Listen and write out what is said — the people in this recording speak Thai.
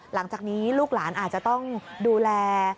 หลังจากนี้ลูกหลานอาจจะต้องดูแล